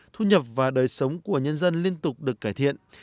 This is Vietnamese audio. thu nhập và đời sống của nhân dân liên tục được cải thiện